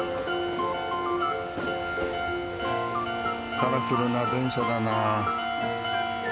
カラフルな電車だな。